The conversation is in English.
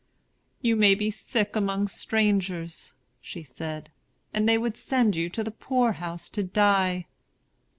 'You may be sick among strangers,' said she; 'and they would send you to the poor house to die.'